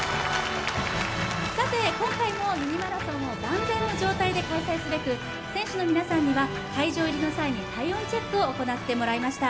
さて今回の「ミニマラソン」を万全の状態で観戦すべく選手の皆さんには会場入りの際に体温チェックを行ってもらいました。